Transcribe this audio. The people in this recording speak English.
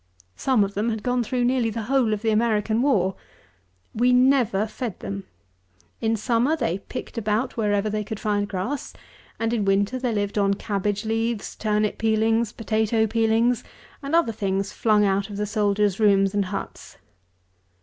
Some of them had gone through nearly the whole of the American War. We never fed them. In summer they picked about wherever they could find grass; and in winter they lived on cabbage leaves, turnip peelings, potatoe peelings, and other things flung out of the soldiers' rooms and huts.